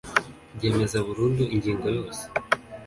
ryemeza burundu ingingo yose